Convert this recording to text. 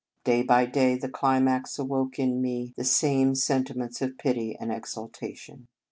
Day by day the climax awoke in me the same senti ments of pity and exultation.